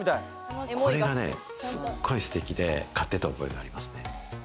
これがね、すごいステキで買ってた覚えがありますね。